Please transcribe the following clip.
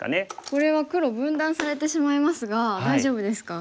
これは黒分断されてしまいますが大丈夫ですか？